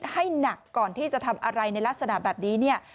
ให้หนักก่อนที่จะทำอะไรในลักษณะแบบนี้เนี่ย